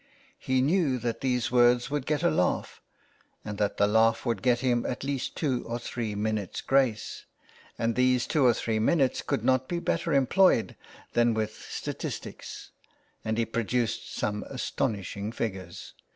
He knew that these words would get a laugh, and that the laugh would get him at least two or three minutes grace, and these two or three minutes could not be better employed than with statistics, and he produced some astonishing figures.